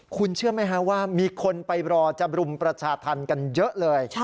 คุณเชื่อไหมฮะว่ามีคนไปรอจะบรุมประชาธรรมกันเยอะเลย